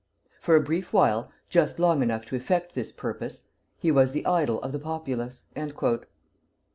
For a brief while, just long enough to effect this purpose, he was the idol of the populace."